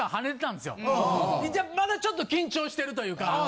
まだちょっと緊張してるというか。